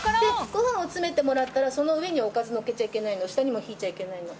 ご飯を詰めてもらったらその上におかずをのっけっちゃいけないの下にもひいちゃいけないの。